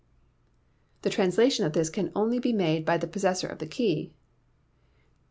The translation of this can be made only by the possessor of the key.